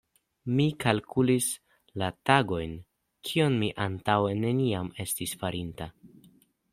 Mi kalkulis la tagojn, kion mi antaŭe neniam estis farinta.